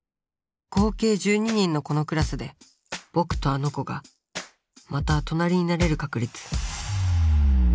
合計１２人のこのクラスでぼくとあの子がまた隣になれる確率。